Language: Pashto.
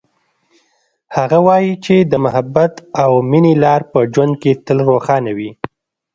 هغه وایي چې د محبت او مینې لار په ژوند کې تل روښانه وي